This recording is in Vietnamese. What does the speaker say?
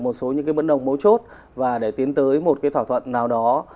một số những cái vấn đồng mối chốt và để tiến tới một cái thỏa thuận nào đó